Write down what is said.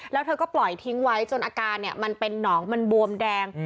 แล้วเธอก็ปล่อยทิ้งไว้จนอาการมันเป็นหนองมันบวมแดง